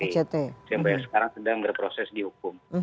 sampai sekarang sedang berproses dihukum